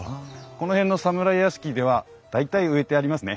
この辺の侍屋敷では大体植えてありますね。